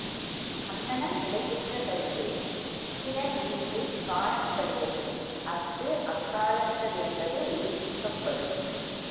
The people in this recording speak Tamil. அங்ஙனம் நிலை பெற்ற கருத்தே சுக்கிர நீதியுள் காணப்படுதலின் அஃது அக்காலத்ததென்பது ஊகிக்கப்படும்.